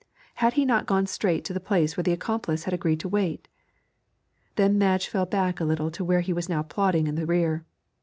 Had he not gone straight to the place where the accomplice had agreed to wait? Then Madge fell back a little to where he was now plodding in the rear.